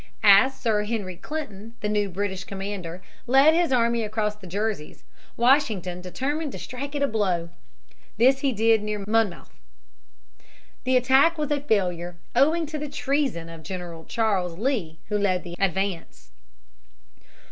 As Sir Henry Clinton, the new British commander, led his army across the Jerseys, Washington determined to strike it a blow. This he did near Monmouth. The attack was a failure, owing to the treason of General Charles Lee, who led the advance.